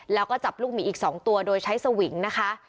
แล้วก็จับลูกหมีอีก๒ตัวโดยใช้สวิงนะคะ